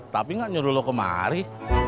tapi gak nyuruh lo kemari